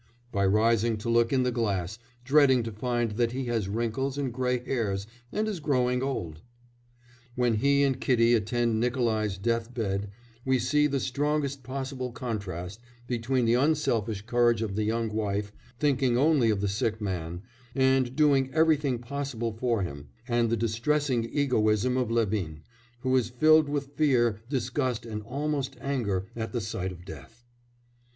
by rising to look in the glass, dreading to find that he has wrinkles and grey hairs and is growing old. When he and Kitty attend Nikolai's death bed we see the strongest possible contrast between the unselfish courage of the young wife, thinking only of the sick man, and doing everything possible for him, and the distressing egoism of Levin, who is filled with fear, disgust, and almost anger at the sight of death.